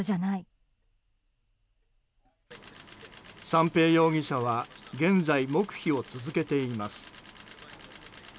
三瓶容疑者は現在黙秘を続けています。